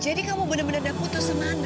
jadi kamu bener bener udah putus sama andre